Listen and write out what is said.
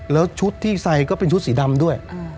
แล้วชุดที่ใส่ก็เป็นชุดสีดำด้วย